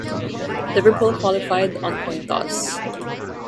Liverpool qualified on coin toss.